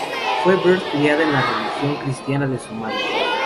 Bird fue criada en la religión cristiana de su madre.